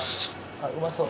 あっうまそう。